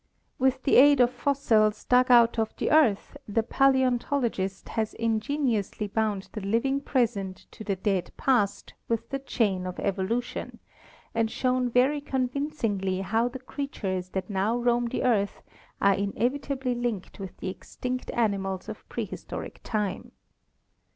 With the aid of fossils dug out of the Earth the paleontologist has ingeniously bound the living present to the dead past with the chain of evolution, and shown very convincingly how the creatures that now roam the Earth are inevitably linked with the extinct ani mals of prehistoric time.